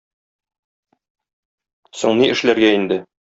Соң ни эшләргә инде?